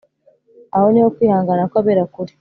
Aho niho kwihangana kw‟abera kuri,